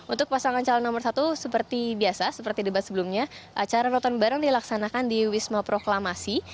untuk pasangan calon nomor satu seperti biasa seperti debat sebelumnya acara nonton bareng dilaksanakan di wisma proklamasi